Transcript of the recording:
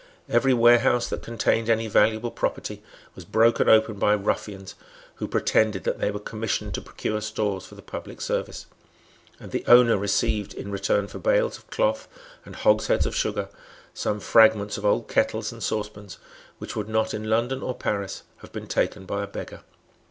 Every warehouse that contained any valuable property was broken open by ruffians who pretended that they were commissioned to procure stores for the public service; and the owner received, in return for bales of cloth and hogsheads of sugar, some fragments of old kettles and saucepans, which would not in London or Paris have been taken by a beggar.